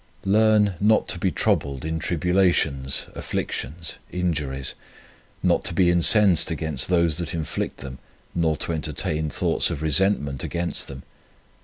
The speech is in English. Learn not to be troubled in tribulations, afflictions, injuries ; not to be incensed against those that inflict them, nor to entertain thoughts of resentment against them.